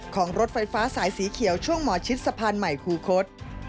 รถไฟฟ้าสายสีเขียวช่วงหมอชิดสะพานใหม่คูคศ